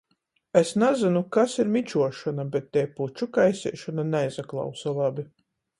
Es nazynu, kas ir mičuošona, bet tei puču kaiseišona naizaklausa labi.